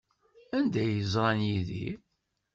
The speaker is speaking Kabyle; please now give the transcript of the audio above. Anda ay ẓran Yidir?